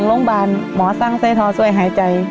ลองกันถามอีกหลายเด้อ